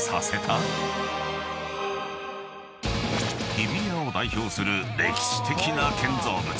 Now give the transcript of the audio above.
［日比谷を代表する歴史的な建造物］